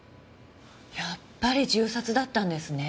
やっぱり銃殺だったんですね。